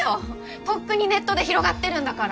とっくにネットで広がってるんだから。